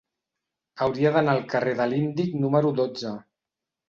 Hauria d'anar al carrer de l'Índic número dotze.